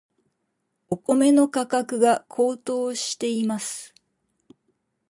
お米の価格が高騰しています。